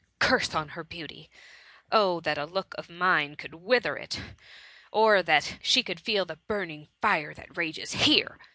" Curse on her beauty ! Oh that a look of mine could wither it I or that she could feel the burning fire that rages here!''